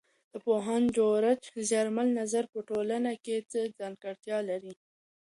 د پوهاند جورج زیمل نظر په ټولنپوهنه کې څه ځانګړتیا لري؟